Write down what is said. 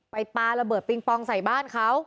ปลาระเบิดปิงปองใส่บ้านเขา